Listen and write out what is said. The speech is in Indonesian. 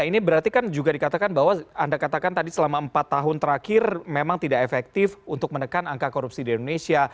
ini berarti kan juga dikatakan bahwa anda katakan tadi selama empat tahun terakhir memang tidak efektif untuk menekan angka korupsi di indonesia